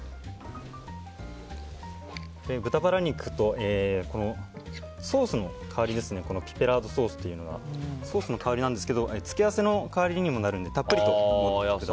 豚バラ肉とピペラードソースというのがソースの代わりなので付け合わせの代わりにもなるのでたっぷりと。